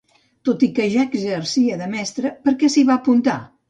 Tot i que ja exercia de mestra, per què s'hi va apuntar?